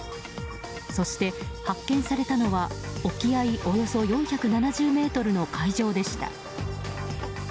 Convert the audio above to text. そして発見されたのは沖合およそ４７０ｍの海上でした。